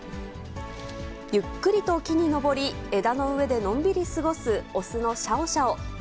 ゆっくりと木に登り、枝の上でのんびり過ごす雄のシャオシャオ。